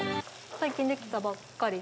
最近出来たばっかり。